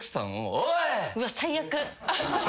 最悪！